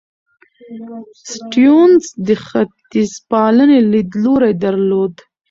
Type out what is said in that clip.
سټيونز د ختیځپالنې لیدلوری درلود.